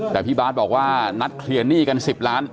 แต่พี่บาทบอกว่านัดเคลียร์หนี้กัน๑๐ล้าน